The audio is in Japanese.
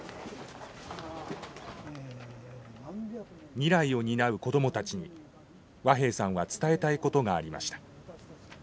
未来を担う子どもたちに和平さんは伝えたいことがありました。